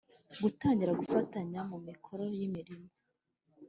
dutangira gufatanya mu mikoro n’imirimo